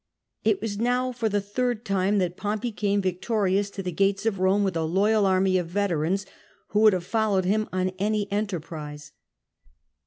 It was now for the third time that Pompey came victorious to the gates of Eouie, with a loyal army of veterans who would have followed him on any enterprise.